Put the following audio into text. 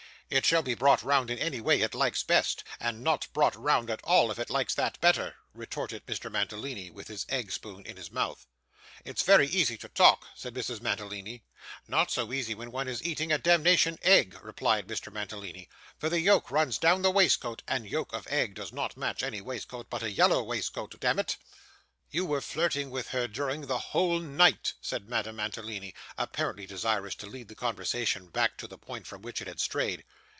'It shall be brought round in any way it likes best, and not brought round at all if it likes that better,' retorted Mr. Mantalini, with his egg spoon in his mouth. 'It's very easy to talk,' said Mrs. Mantalini. 'Not so easy when one is eating a demnition egg,' replied Mr. Mantalini; 'for the yolk runs down the waistcoat, and yolk of egg does not match any waistcoat but a yellow waistcoat, demmit.' 'You were flirting with her during the whole night,' said Madame Mantalini, apparently desirous to lead the conversation back to the point from which it had strayed.